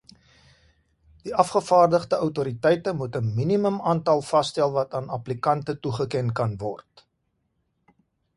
Die afgevaardigde outoriteite moet 'n minimum aantal vasstel wat aan applikante toegeken kan word.